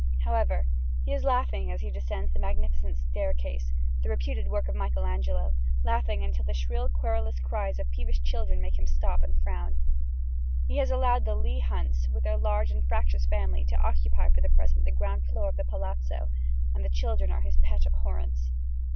However, he is laughing as he descends the magnificent staircase, the reputed work of Michael Angelo, laughing until the shrill querulous cries of peevish children make him stop and frown. He has allowed the Leigh Hunts, with their large and fractious family, to occupy for the present the ground floor of the Palazzo; and children are his pet abhorrence.